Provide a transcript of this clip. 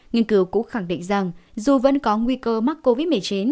nghiên cứu cũng khẳng định rằng dù vẫn có nguy cơ mắc covid một mươi chín